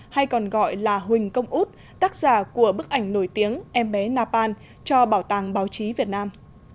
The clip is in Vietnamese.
hay còn gọi là huỳnh công út tác giả của bức ảnh nổi tiếng em bé napan cho bảo tàng báo chí việt nam